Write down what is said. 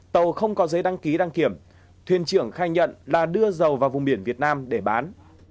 tàu không có giấy đăng ký đăng kiểm thuyền trưởng khai nhận là đưa dầu vào vùng biển việt nam để bán